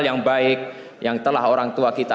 yang baik yang telah orang tua kita